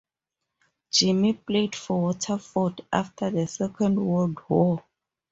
Jimmy played for Watford after the Second World War.